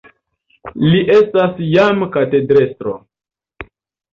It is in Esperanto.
Li estas jam katedrestro.